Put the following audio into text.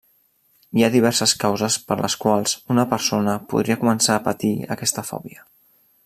Hi ha diverses causes per les quals una persona podria començar a patir aquesta fòbia.